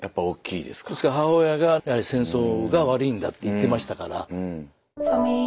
ですから母親が戦争が悪いんだって言ってましたから。